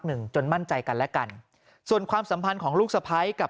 หนึ่งจนมั่นใจกันและกันส่วนความสัมพันธ์ของลูกสะพ้ายกับ